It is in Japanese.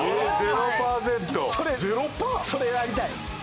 それそれやりたい！